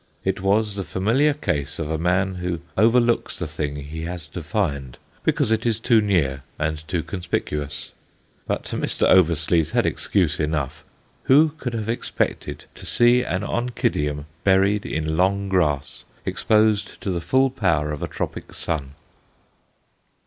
It was the familiar case of a man who overlooks the thing he has to find, because it is too near and too conspicuous. But Mr. Oversluys had excuse enough. Who could have expected to see an Oncidium buried in long grass, exposed to the full power of a tropic sun?